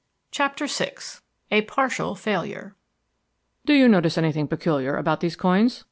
CHAPTER VI A PARTIAL FAILURE "Do you notice anything peculiar about these coins?"